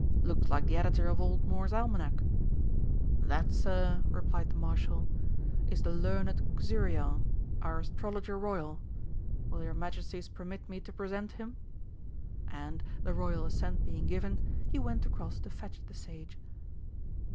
"Looks like the Editor of Old Moore's Almanack." "That, Sir," replied the Marshal, "is the learned Xuriel, our Astrologer Royal. Will your Majesties permit me to present him?" And, the Royal assent being given, he went across to fetch the sage.